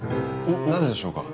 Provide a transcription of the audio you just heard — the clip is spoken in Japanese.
ななぜでしょうか？